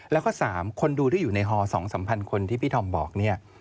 แล้วก็สามคนดูที่อยู่ในฮอสองสามพันคนที่พี่ธอมบอกเนี่ย